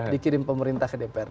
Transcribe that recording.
dikirim pemerintah ke dpr